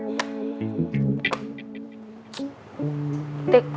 ternyata yang dibilang devon bener